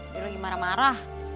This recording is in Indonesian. dia lagi marah marah